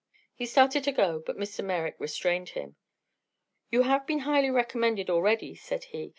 He started to go, but Mr. Merrick restrained him. "You have been highly recommended already," said he.